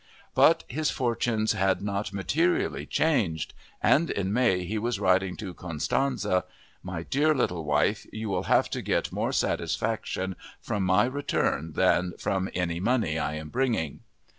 But his fortunes had not materially changed and in May he was writing to Constanze: "My dear little wife, you will have to get more satisfaction from my return than from any money I am bringing."